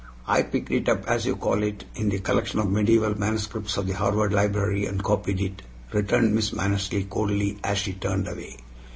"I 'picked it up,' as you call it, in the collection of medieval manuscripts of the Harvard Library, and copied it," returned Miss Mannersley coldly as she turned away.